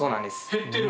減ってる？